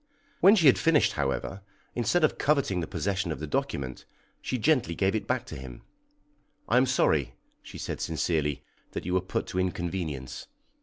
When she had finished, however, instead of coveting the possession of the document, she gently gave it back to him. "I am sorry," she said sincerely, "that you were put to inconvenience.